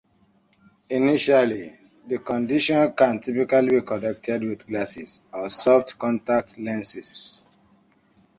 Initially the condition can typically be corrected with glasses or soft contact lenses.